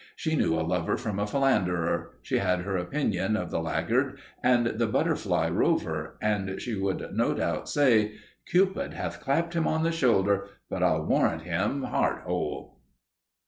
She knew a lover from a philanderer, she had her opinion of the laggard and the butterfly rover, and she would no doubt say: "Cupid hath clapped him on the shoulder, but I'll warrant him heart whole!"